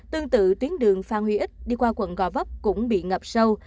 tương tự tuyến đường phan huy ích đi qua quận gò vấp cũng bị ngập sâu